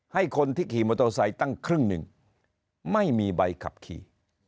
ให้คนที่ขี่มอเตอร์ไซค์ตั้งครึ่งหนึ่งไม่มีใบขับขี่